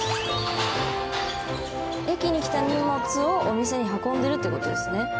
駅に来た荷物をお店に運んでるっていう事ですね。